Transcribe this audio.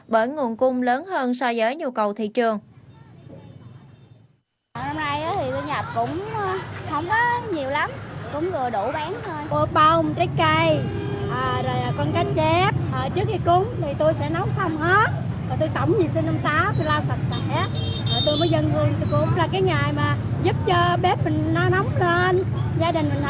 bởi nguồn cung lớn hơn so với nhu cầu thị trường